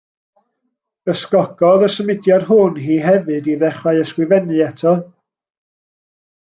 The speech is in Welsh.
Ysgogodd y symudiad hwn hi hefyd i ddechrau ysgrifennu eto.